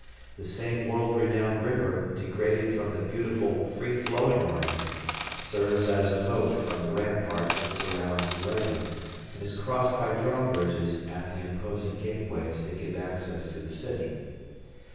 The same world renowned river, degraded from the beautiful, free flowing Rhine, serves as a moat from the rampart that surrounds Leyden and is crossed by drawbridges at the imposing gateways that give access to the city.